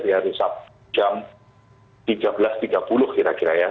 di hari sabtu jam tiga belas tiga puluh kira kira ya